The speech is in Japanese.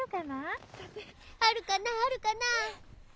あるかなあるかな？